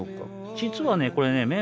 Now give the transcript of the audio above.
実はね